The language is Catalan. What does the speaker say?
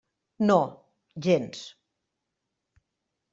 No, gens.